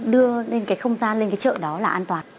đưa lên cái không gian lên cái chợ đó là an toàn